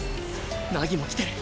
凪も来てる！